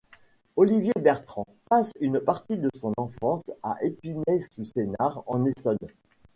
Olivier Bertrand passe une partie de son enfance à Épinay-sous-Sénart en Essonne.